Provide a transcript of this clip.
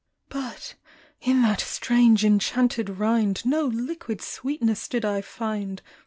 But in that strange enchanted rind No liquid sweetness did I find.